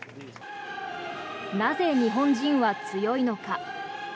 なぜ日本人は強いのか。